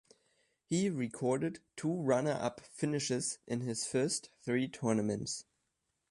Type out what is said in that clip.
He recorded two runner-up finishes in his first three tournaments.